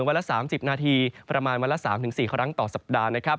วันละ๓๐นาทีประมาณวันละ๓๔ครั้งต่อสัปดาห์นะครับ